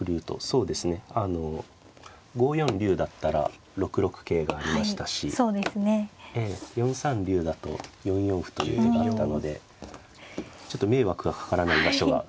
そうですねあの５四竜だったら６六桂がありましたし４三竜だと４四歩という手があったのでちょっと迷惑がかからない場所が。